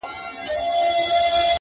• رقیب مي له شهبازه غزلونه تښتوي,